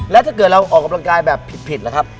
แล้วถ้าเกิดเราออกกำลังกายแบบผิดล่ะครับ